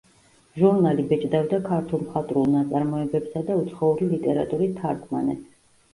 ჟურნალი ბეჭდავდა ქართულ მხატვრულ ნაწარმოებებსა და უცხოური ლიტერატურის თარგმანებს.